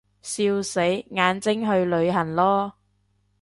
笑死，眼睛去旅行囉